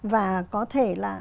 và có thể là